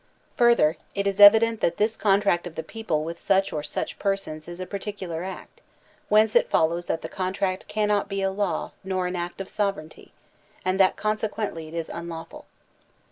Further, it is evident that this contract of the people with such or such persons is a particular act; whence it follows that the contract cannot be a law nor an act of sovereignty, and that consequently it is unlawful.